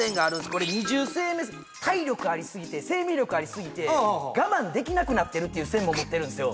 これ二重生命線体力ありすぎて生命力ありすぎて我慢できなくなってるっていう線も持ってるんですよ